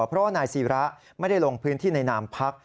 เพราะว่านายศิระไม่ได้ลงพื้นที่ในนามพัก